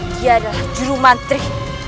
dia adalah juru mantri